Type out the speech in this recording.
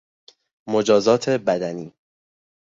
مجازات بدنی